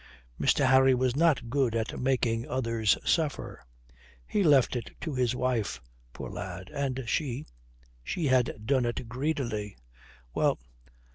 Mr. Harry was not good at making others suffer. He left it to his wife, poor lad, and she she had done it greedily. Well.